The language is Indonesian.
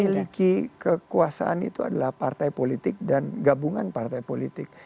memiliki kekuasaan itu adalah partai politik dan gabungan partai politik